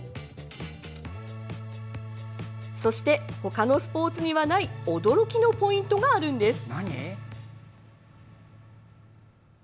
そして、他のスポーツにはない驚きのポイントがあるんです。